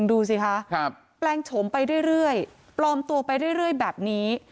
ดูสิค่ะครับแปลงโฉมไปเรื่อยเรื่อยปลอมตัวไปเรื่อยเรื่อยแบบนี้